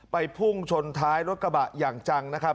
พุ่งชนท้ายรถกระบะอย่างจังนะครับ